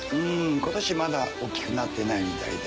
今年まだ大っきくなってないみたいで。